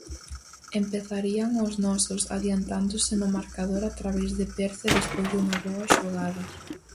Empezarían os nosos adiantándose no marcador a través de perce despois dunha boa xogada.